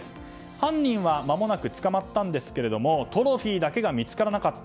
犯人は間もなく捕まったんですがトロフィーだけが見つからなかった。